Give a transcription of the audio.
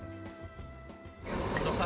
untuk satu batch bikinan